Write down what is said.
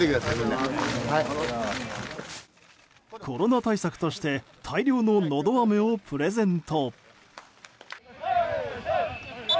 コロナ対策として大量ののどあめをプレゼント。